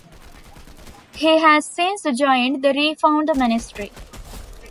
He has since joined the reformed Ministry.